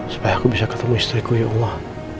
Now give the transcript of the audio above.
supaya aku bisa ketemu istriku ya allah